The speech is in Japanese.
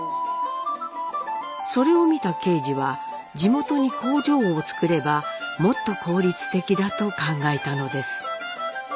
それを見た敬次は地元に工場を造ればもっと効率的だと考えたのです。